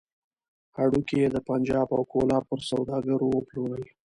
هډوکي يې د پنجاب او کولاب پر سوداګرو وپلورل.